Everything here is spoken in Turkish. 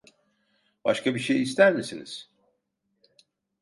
Başka bir şey ister misiniz?